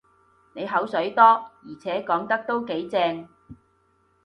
你口水多，而且講得都幾正